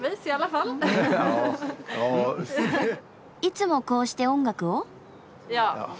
いつもこうして音楽を？